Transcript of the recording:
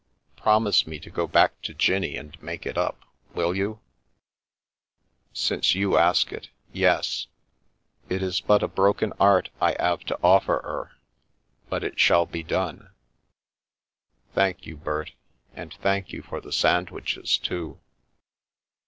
Promise me to go back to Jinnie and make it up. Will you ?"" Since you ask it — yes ! It is but a broken 'eart I 'ave to offer 'er, but it shall be done !"" Thank you, Bert. And thank you for the sand wiches, too